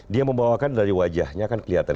dia membawakan dari wajahnya kan kelihatan